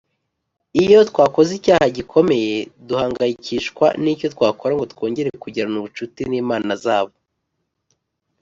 Iyo twakoze icyaha gikomeye duhangayikishwa n icyo twakora ngo twongere kugirana ubucuti n Imana Zabo